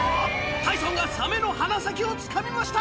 タイソンがサメの鼻先をつかみました！